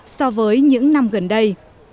so với những năm gần đây